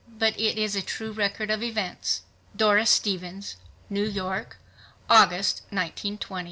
But it is a true record of events. DORIS STEVENS. New York, August, 1920.